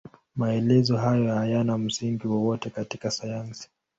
Maelezo hayo hayana msingi wowote katika sayansi.